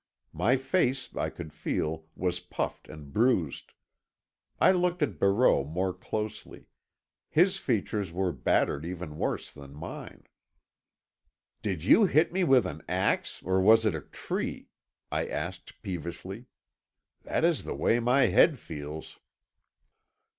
My face, I could feel, was puffed and bruised. I looked at Barreau more closely; his features were battered even worse than mine. "Did you hit me with an axe, or was it a tree?" I asked peevishly. "That is the way my head feels."